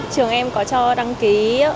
trường em có cho đăng ký